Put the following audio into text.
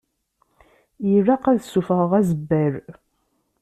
Ilaq ad ssufɣeɣ azebbal.